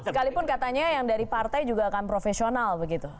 sekalipun katanya yang dari partai juga akan profesional begitu